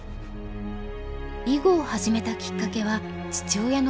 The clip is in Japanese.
囲碁を始めたきっかけは父親の影響でした。